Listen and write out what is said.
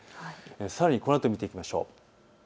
さらにこのあとを見ていきましょう。